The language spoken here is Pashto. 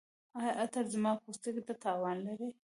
ایا عطر زما پوستکي ته تاوان لري؟